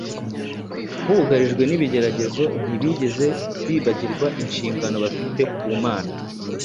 bugarijwe n’ibigeragezo, ntibigeze bibagirwa inshingano bafite ku Mana.